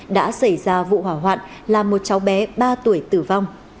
đã xảy ra vụ hỏa hoạn làm một cháu bé ba tuổi tử vong